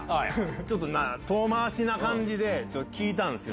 ちょっと、遠回しな感じで聞いたんすよ。